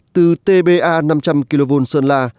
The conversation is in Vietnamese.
từ tba năm trăm linh kv sơn la